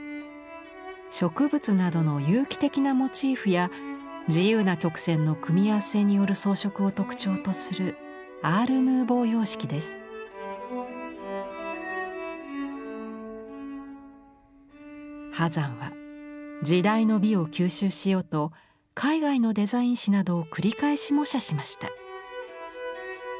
植物などの有機的なモチーフや自由な曲線の組み合わせによる装飾を特徴とする波山は時代の美を吸収しようと海外のデザイン誌などを繰り返し模写しました。